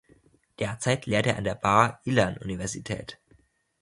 Derzeit lehrt er an der Bar-Ilan-Universität.